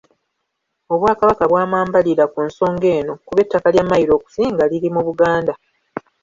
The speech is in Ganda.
Obwakabaka bwa mwambalira ku nsonga eno kuba ettaka lya Mayiro okusinga liri mu Buganda.